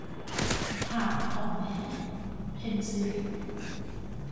หาบของแม่ - เพ็ญศิริ